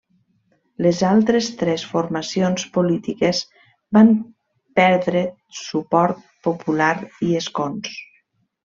Les altres tres formacions polítiques van perdre suport popular i escons.